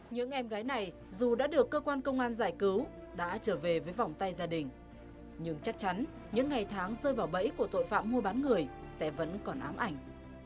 những em gái này dù đã được cơ quan công an giải cứu đã trở về với vòng tay gia đình nhưng chắc chắn những ngày tháng rơi vào bẫy của tội phạm mua bán người sẽ vẫn còn ám ảnh